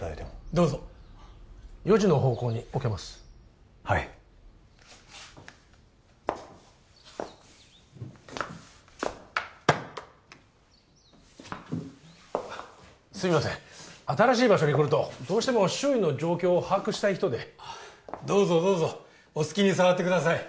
どうぞ４時の方向に置けますはいすみません新しい場所に来るとどうしても周囲の状況を把握したい人でどうぞどうぞお好きに触ってください